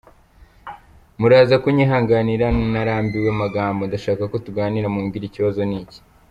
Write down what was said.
Muraza kunyihanganira narambiwe amagambo, ndashaka ko tuganira, mumbwire ikibazo ni iki?”